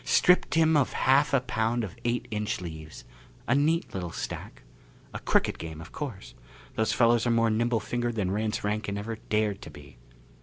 Stripped him of half a pound of eight inch leaves a neat little stack. A crooked game, of course. Those fellows are more nimble fingered than Rance Rankin ever dared to be!"